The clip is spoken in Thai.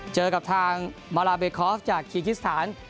เจอกับทางมาลาเบคอฟจากคีกิสถาน